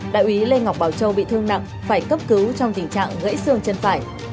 đại úy lê ngọc bảo châu bị thương nặng phải cấp cứu trong tình trạng gãy xương chân phải